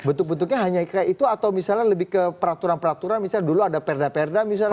bentuk bentuknya hanya kayak itu atau misalnya lebih ke peraturan peraturan misalnya dulu ada perda perda misalnya